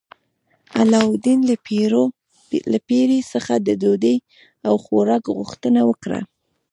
علاوالدین له پیري څخه د ډوډۍ او خوراک غوښتنه وکړه.